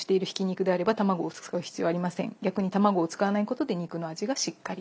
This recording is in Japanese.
逆に卵を使わないことで肉の味がしっかり出ますと。